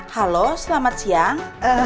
halo selamat siang